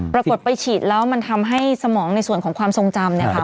ปรากฏไปฉีดแล้วมันทำให้สมองในส่วนของความทรงจำนะคะ